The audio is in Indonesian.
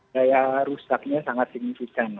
daya rusaknya sangat signifikan